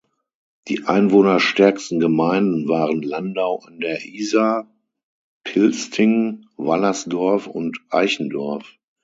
Die einwohnerstärksten Gemeinden waren Landau an der Isar, Pilsting, Wallersdorf und Eichendorf.